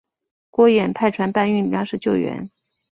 郭衍派船搬运粮食救援。